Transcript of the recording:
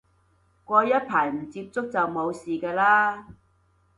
過一排唔接觸就冇事嘅喇